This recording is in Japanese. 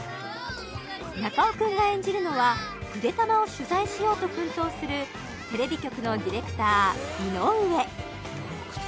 中尾君が演じるのはぐでたまを取材しようと奮闘するテレビ局のディレクター井上